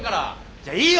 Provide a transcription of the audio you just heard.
じゃあいいよ。